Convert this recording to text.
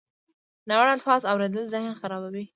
ناوړه الفاظ اورېدل ذهن خرابوي.